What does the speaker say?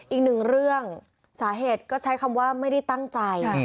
อีกหนึ่งเรื่องสาเหตุก็ใช้คำว่าไม่ได้ตั้งใจ